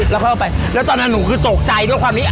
แล้วเข้าไปแล้วตอนนั้นหนูคือตกใจด้วยความนี้